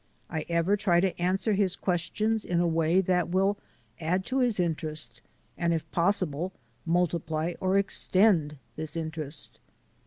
I ever try to answer his ques tions in a way that will add to his interest and, if possible, multiply or extend this interest.